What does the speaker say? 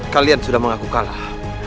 kalian sudah mengaku kalah